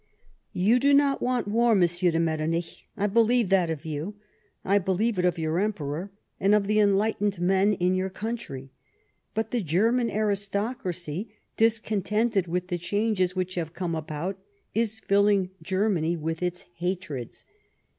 You do not want war, M. de Metternich ; I believe that of you ; I believe it of your Emperor, and of the enlightened men in your country. But the German aristocracy, discontented with the changes which have come about, is filling Germany with its hatreds.